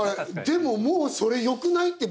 でももうそれよくない？って